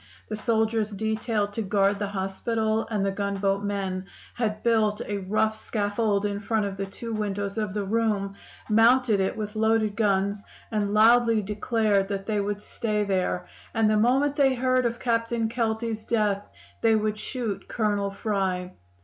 The soldiers detailed to guard the hospital, and the gunboat men, had built a rough scaffold in front of the two windows of the room, mounted it, with loaded guns, and loudly declared that they would stay there, and the moment they heard of Captain Kelty's death they would shoot Colonel Fry.